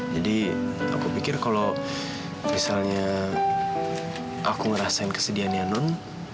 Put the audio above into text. jadi aku pikir kalau misalnya aku ngerasain kesedihan ya non